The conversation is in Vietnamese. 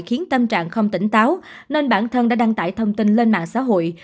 khiến tâm trạng không tỉnh táo nên bản thân đã đăng tải thông tin lên mạng xã hội